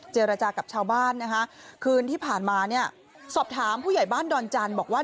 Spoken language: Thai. เจรจากับชาวบ้านนะคะคืนที่ผ่านมาเนี่ยสอบถามผู้ใหญ่บ้านดอนจันทร์บอกว่า